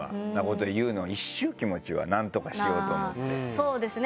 そうですね。